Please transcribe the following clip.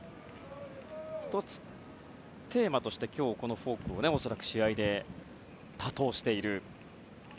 １つ、テーマとしてこのフォークを恐らく試合で多投している。